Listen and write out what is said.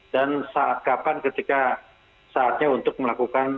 dan saat kapan ketika saatnya untuk melakukan